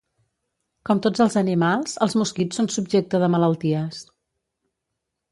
Com tots animals, els mosquits són subjecte de malalties.